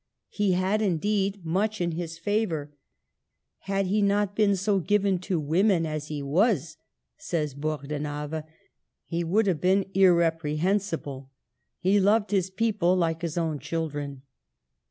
He had, indeed, much in his favor. " Had he not been so given to women as he was," says Bordenave, " he would have been irreprehensible. He loved his people like his own children."